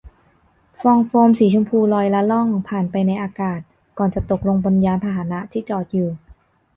ฟองโฟมสีชมพูล่อยละล่องผ่านไปในอากาศ ก่อนจะตกลงบนยานพาหนะที่จอดอยู่